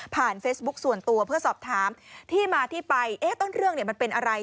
ผ่านเฟซบุ๊กส่วนตัวเพื่อสอบถามที่มาที่ไปเอ๊ะต้นเรื่องเนี่ยมันเป็นอะไร